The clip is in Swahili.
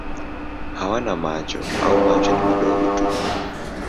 Hawana macho au macho ni madogo tu.